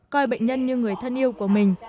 coi bệnh nhân như người thân yêu của mình